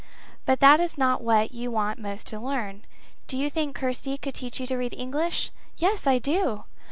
"But that is not what you want most to learn. Do you think Kirsty could teach you to read English?" "Yes, I do."